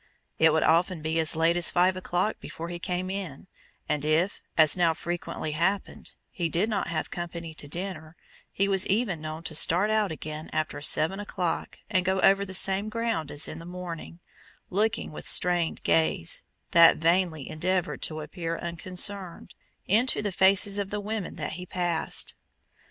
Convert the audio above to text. It would often be as late as five o'clock before he came in, and if, as now frequently happened, he did not have company to dinner, he was even known to start out again after seven o'clock and go over the same ground as in the morning, looking with strained gaze, that vainly endeavored to appear unconcerned, into the faces of the women that he passed.